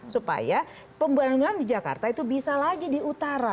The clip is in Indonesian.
supaya pembangunan di jakarta itu bisa lagi di utara